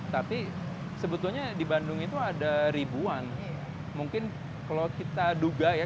tapi sebetulnya di bandung itu ada ribuan mungkin kalau kita duga ya